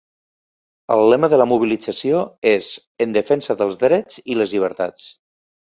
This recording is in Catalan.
El lema de la mobilització és ‘En defensa dels drets i les llibertats’.